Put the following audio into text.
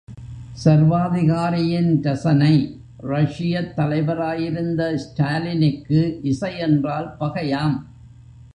சர்வாதிகாரியின் ரசனை ரஷ்யத் தலைவராயிருந்த ஸ்டாலினுக்கு இசை என்றால் பகையாம்.